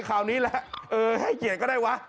คราวนี้แหละเออให้เกียรติก็ได้วะ